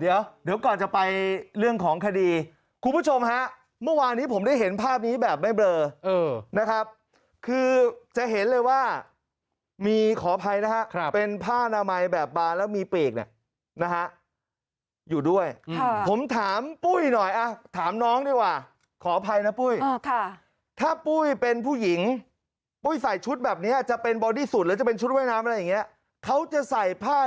เดี๋ยวก่อนจะไปเรื่องของคดีคุณผู้ชมฮะเมื่อวานนี้ผมได้เห็นภาพนี้แบบไม่เบลอนะครับคือจะเห็นเลยว่ามีขออภัยนะฮะเป็นผ้านามัยแบบบาร์แล้วมีปีกเนี่ยนะฮะอยู่ด้วยผมถามปุ้ยหน่อยถามน้องดีกว่าขออภัยนะปุ้ยถ้าปุ้ยเป็นผู้หญิงปุ้ยใส่ชุดแบบนี้จะเป็นบอดี้สุดแล้วจะเป็นชุดว่ายน้ำอะไรอย่างนี้เขาจะใส่ผ้า